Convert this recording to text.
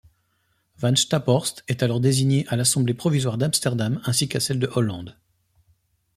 Van Staphorst est alors désigné à l'assemblée provisoire d'Amsterdam ainsi qu'à celle de Hollande.